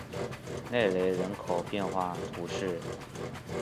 内雷人口变化图示